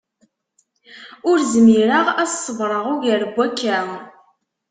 Ur zmireɣ ad s-ṣebreɣ ugar n wakka.